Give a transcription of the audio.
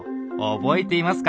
覚えてますか？